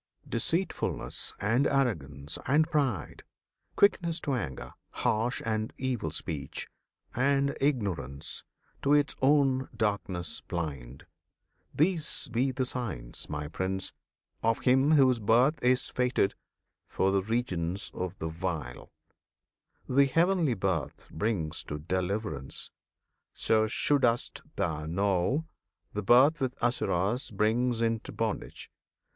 Deceitfulness, and arrogance, and pride, Quickness to anger, harsh and evil speech, And ignorance, to its own darkness blind, These be the signs, My Prince! of him whose birth Is fated for the regions of the vile.[FN#32] The Heavenly Birth brings to deliverance, So should'st thou know! The birth with Asuras Brings into bondage.